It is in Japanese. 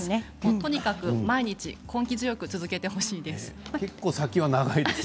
とにかく毎日、根気強く続けてほしいです。